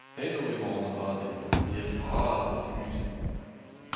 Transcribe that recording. Eno emañ an abadenn, diaes-bras da ziluziañ.